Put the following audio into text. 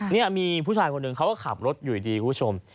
นี่มีผู้ชายคนหนึ่งเขาก็ขับรถอยู่ดีคุณผู้ชม